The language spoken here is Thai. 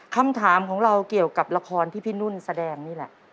คำถามของเราเกี่ยวกับละครที่พี่นุ่นแสดงนี่แหละ